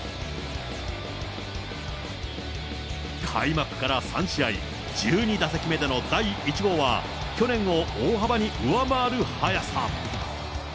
開幕から３試合、１２打席目での第１号は、去年を大幅に上回る早さ。